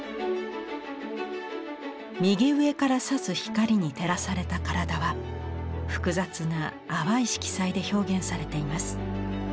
右上からさす光に照らされた体は複雑な淡い色彩で表現されています。